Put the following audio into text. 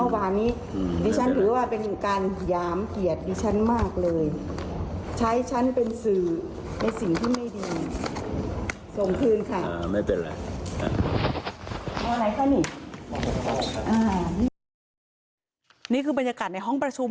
บรรยากาศในห้องประชุม